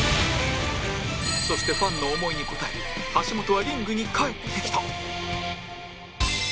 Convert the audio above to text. そしてファンの思いに応え橋本はリングに帰ってきた